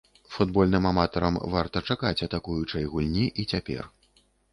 Футбольным аматарам варта чакаць атакуючай гульні і цяпер.